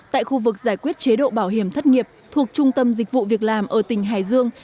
tại khu vực giải quyết chế độ bảo hiểm thất nghiệp thuộc trung tâm dịch vụ việc làm ở tỉnh hải dương